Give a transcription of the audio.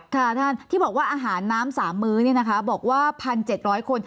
ค่ะท่านที่บอกว่าอาหารน้ำสามมื้อนี่นะคะบอกว่าพันเจ็ดร้อยคน